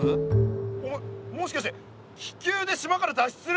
お前もしかして気球で島から脱出するってこと？